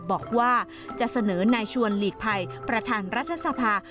บอกว่าจะเสนอนายชวนหลีกภัยประธานรัฐสภา